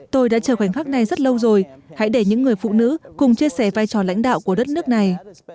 tôi đã chờ khoảnh khắc này rất lâu rồi hãy để những người phụ nữ cùng chia sẻ vai trò lãnh đạo của đất nước này